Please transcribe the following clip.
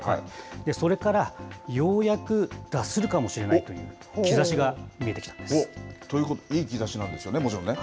それから、ようやく脱するかもしれないという兆しが見えてきたんということは、いい兆しなんですよね、もちろんね？